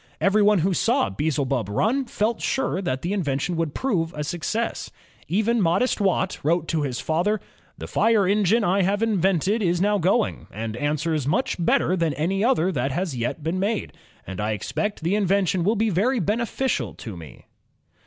Everyone who saw Beelzebub run felt sure that the invention would prove a success. Even modest Watt wrote to his father: '^The fire engine I have invented is now going, and answers much better than any other that has yet been made, and I expect that the in vention will be very beneficial to me."